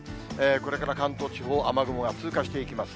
これから関東地方、雨雲が通過していきます。